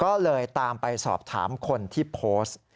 ก็เลยตามไปสอบถามคนที่โพสต์